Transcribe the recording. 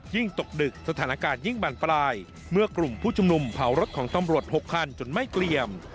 ตกดึกสถานการณ์ยิ่งบานปลายเมื่อกลุ่มผู้ชุมนุมเผารถของตำรวจ๖คันจนไม่เกลี่ยม